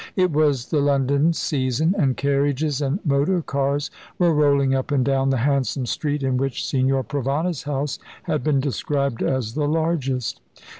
It was the London season, and carriages and motor cars were rolling up and down the handsome street in which Signor Provana's house had been described as the largest.